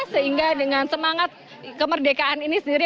sehingga dengan semangat kemerdekaan ini sendiri